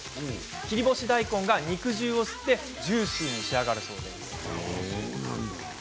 切り干し大根が肉汁を吸ってジューシーに仕上がります。